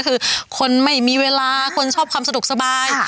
คือคนไม่มีเวลาคนชอบความสะดวกสบาย